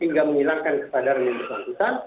hingga menghilangkan kesadaran yang bersangkutan